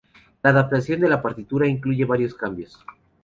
La adaptación de la partitura incluye varios cambios.